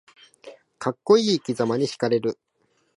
かっこいい生きざまにひかれる